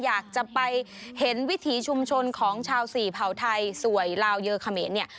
อยากจะไปเห็นวิถีชุมชนของชาวศรีเผาไทยสวยลาวเยอะเขมะ